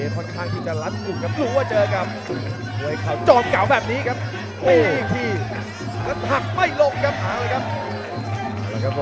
ตอนข้างยูจะลัดกลุ่มครับรู้ว่าเจอครับ